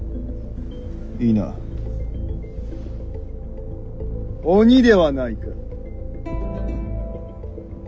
否鬼ではないか？